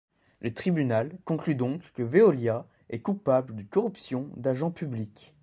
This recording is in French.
Le tribunal conclut donc que Veolia est coupable de corruption d'agents publics.